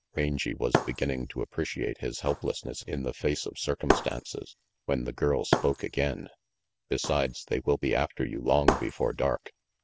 Rangy was beginning to appreciate his helplessness in the face of circumstances, when the girl spoke again. "Besides, they will be after you long before dark.